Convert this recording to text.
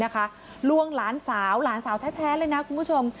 ลวงหลานสาวหลานสาวแท้เลยนะคุณผู้ชม